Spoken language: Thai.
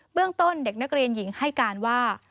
เรื่องต้นเด็กนักเรียนหญิงให้การว่า